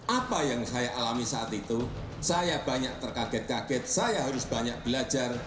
apa yang saya alami saat itu saya banyak terkaget kaget saya harus banyak belajar